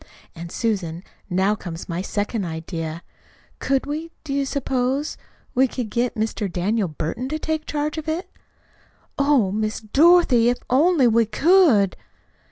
And, Susan, now comes my second idea. Could we do you suppose we could get Mr. Daniel Burton to take charge of it?" "Oh, Miss Dorothy, if we only could!"